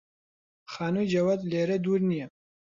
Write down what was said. خانووی جەواد لێرە دوور نییە.